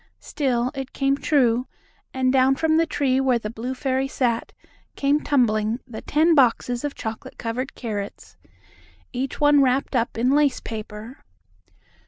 Still, it came true, and down from the tree where the blue fairy sat, came tumbling the ten boxes of chocolate covered carrots, each one wrapped up in lace paper.